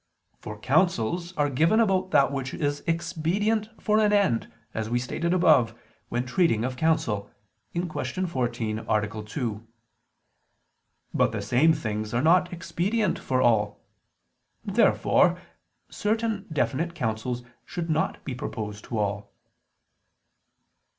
For counsels are given about that which is expedient for an end, as we stated above, when treating of counsel (Q. 14, A. 2). But the same things are not expedient for all. Therefore certain definite counsels should not be proposed to all.